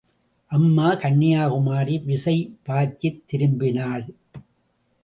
அம்மா! கன்யாகுமரி விசை பாய்ச்சித் திரும்பினாள்.